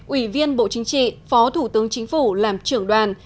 ủy viên bộ chính trị phó thủ tướng chính phủ làm trưởng đoàn